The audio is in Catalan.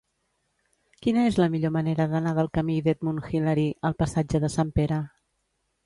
Quina és la millor manera d'anar del camí d'Edmund Hillary al passatge de Sant Pere?